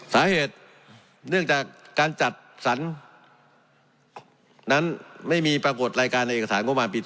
สาเหตุเนื่องจากการจัดสรรนั้นไม่มีปรากฏรายการในเอกสารงบประมาณปี๒๕